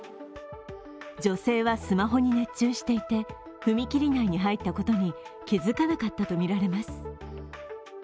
女性はスマホに熱中していて踏切内に入ったことに気づかなかったとみられます。